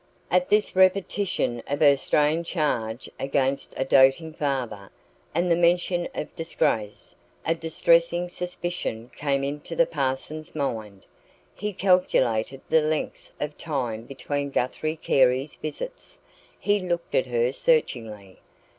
At this repetition of her strange charge against a doting father, and the mention of disgrace, a distressing suspicion came into the parson's mind. He calculated the length of time between Guthrie Carey's visits; he looked at her searchingly.